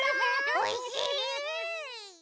おいしい！